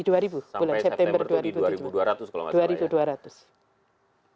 sampai september itu di dua ribu dua ratus kalau nggak salah ya